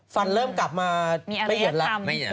ฟันเริ่มกลับมาไม่เห็นแล้ว